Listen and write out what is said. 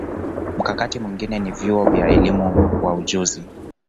Mkakati mwingine ni vyuo vya elimu na ujuzi w